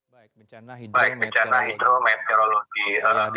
baik bencana hidrometeorologi